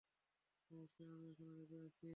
অবশ্যই আমি এখনো রেগে আছি।